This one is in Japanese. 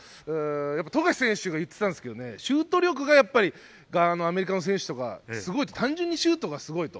富樫選手が言ってたんですが、シュート力がアメリカの選手は単純にすごいと。